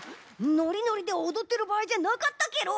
ノリノリでおどってるばあいじゃなかったケロ！